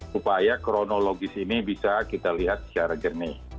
supaya kronologis ini bisa kita lihat secara jernih